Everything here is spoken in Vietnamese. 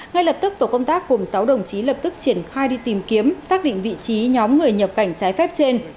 ngay lập tức tổ công tác cùng sáu đồng chí lập tức triển khai đi tìm kiếm xác định vị trí nhóm người nhập cảnh trái phép trên